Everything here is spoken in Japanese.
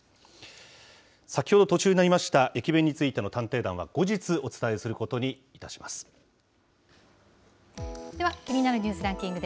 先ほど途中になりました駅弁についての探偵団は後日、お伝えするでは気になるニュースランキ